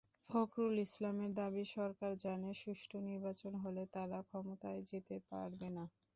ফখরুল ইসলামের দাবি, সরকার জানে সুষ্ঠু নির্বাচন হলে তারা ক্ষমতায় যেতে পারবে না।